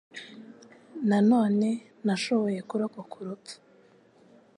Na none, nashoboye kurokoka urupfu.